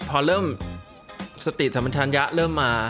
พอเริ่มเศรษฐศรัติชะมาชะยะเริ่มมา